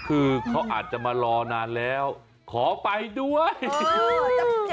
คือเขาอาจจะมารอนานแล้วขอไปด้วย